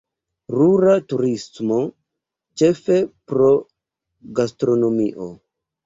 Rura turismo, ĉefe pro gastronomio.